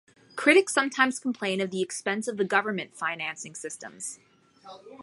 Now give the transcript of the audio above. Critics sometimes complain of the expense of the government financing systems.